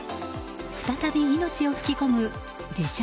再び命を吹き込む自称